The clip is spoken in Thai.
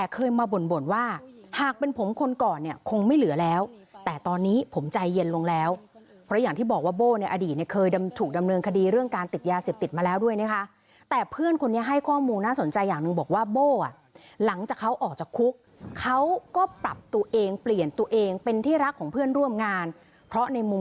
เคยมาบ่นบ่นว่าหากเป็นผมคนก่อนเนี่ยคงไม่เหลือแล้วแต่ตอนนี้ผมใจเย็นลงแล้วเพราะอย่างที่บอกว่าโบ้ในอดีตเนี่ยเคยถูกดำเนินคดีเรื่องการติดยาเสพติดมาแล้วด้วยนะคะแต่เพื่อนคนนี้ให้ข้อมูลน่าสนใจอย่างหนึ่งบอกว่าโบ้อ่ะหลังจากเขาออกจากคุกเขาก็ปรับตัวเองเปลี่ยนตัวเองเป็นที่รักของเพื่อนร่วมงานเพราะในมุม